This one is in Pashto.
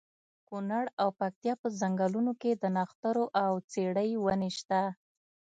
کونړ او پکتیا په ځنګلونو کې د نښترو او څېړۍ ونې شته.